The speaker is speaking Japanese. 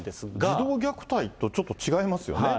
児童虐待とちょっと違いますよね。